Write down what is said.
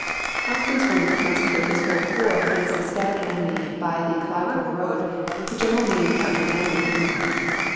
Humphreys wanted to concentrate his whole corps against the scattered enemy by the Clai borne road; but General Meade countermanded the movement.